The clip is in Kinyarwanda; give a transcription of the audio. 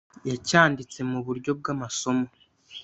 yacyanditse mu buryo bw’amasomo,